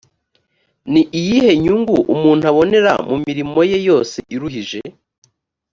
ni iyihe nyungu umuntu abonera mu mirimo ye yose iruhije